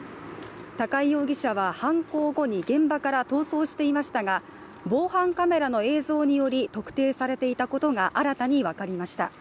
高井容疑者は犯行後に現場から逃走していましたが防犯カメラの映像により特定されていたことが新たに分かりました。